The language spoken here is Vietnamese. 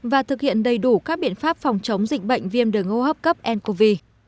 và thực hiện đầy đủ các biện pháp phòng chống dịch bệnh viêm đường hô hấp cấp ncov